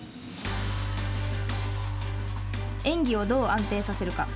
演技をどう安定させるか。